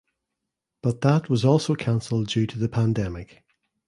But that was also cancelled due to the pandemic.